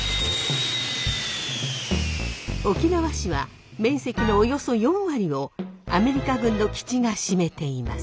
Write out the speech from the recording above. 沖縄市は面積のおよそ４割をアメリカ軍の基地が占めています。